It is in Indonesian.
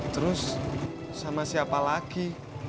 terus sama siapa lagi